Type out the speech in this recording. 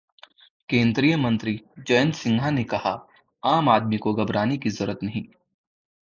केंद्रीय मंत्री जयंत सिन्हा ने कहा- आम आदमी को घबराने की जरूरत नहीं